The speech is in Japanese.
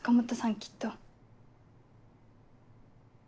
きっと。